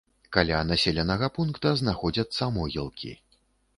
Каля населенага пункта знаходзяцца могілкі.